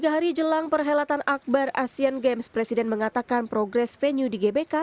tiga hari jelang perhelatan akbar asian games presiden mengatakan progres venue di gbk